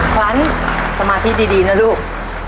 ขวัญสมาธิดีนะลูก